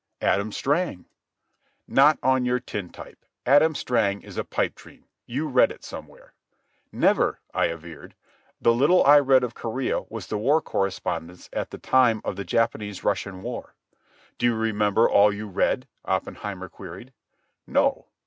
"Adam Strang." "Not on your tintype. Adam Strang is a pipe dream. You read it somewhere." "Never," I averred. "The little I read of Korea was the war correspondence at the time of the Japanese Russian War." "Do you remember all you read?" Oppenheimer queried. "No."